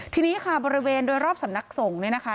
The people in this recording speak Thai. ทีนี้ค่ะบริเวณโดยรอบสำนักสงฆ์เนี่ยนะคะ